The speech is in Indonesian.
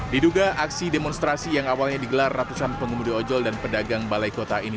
diduga aksi demonstrasi yang awalnya digelar ratusan pengemudi ojol dan pedagang balai kota ini